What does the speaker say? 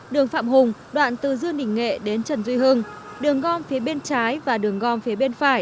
đường phạm hùng đoạn từ dương đình nghệ đến trần duy hưng đường gom phía bên trái và đường gom phía bên phải